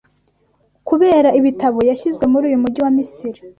Kubera ibitabo yashyizwe muri uyu mujyi wa Misiri